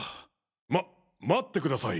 ま待ってください！